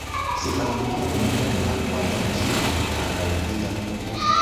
sifa nyingine ni kwamba wananchi wanatarajia kwamba